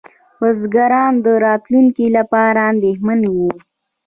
بزګران د راتلونکي لپاره اندېښمن وو.